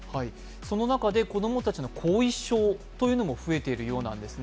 その中で子供たちの後遺症も増えているようなんですね。